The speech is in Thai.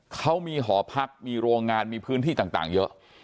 เขามีหอพักมีโรงงานมีพื้นที่ต่างเยอะ